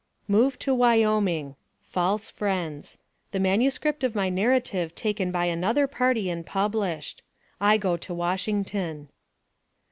MOVE TO WYOMING FALSE FRIENDS THE MANUSCRIPT OF MY NAR RATIVE TAKEN BY ANOTHER PARTY AND PUBLISHED I GO TO WASHINGTON.